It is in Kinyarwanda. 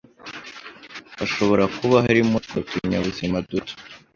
hashobora kuba harimo utwo tunyabuzima duto